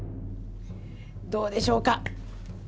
どうでしょうか？